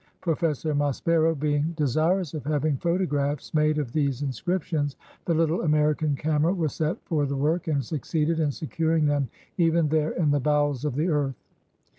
Professor Maspero being desirous of having photographs made of these inscrip tions, the little American camera was set for the work, and succeeded in securing them even there in the bowels of the earth.